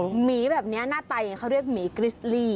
หมีแบบนี้หน้าไตเขาเรียกหมีกริสต์ลี่